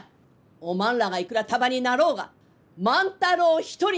おまんらがいくら束になろうが万太郎一人にはかなわん！